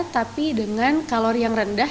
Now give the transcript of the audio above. tapi dengan kalori yang rendah